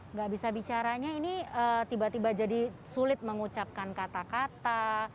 nggak bisa bicaranya ini tiba tiba jadi sulit mengucapkan kata kata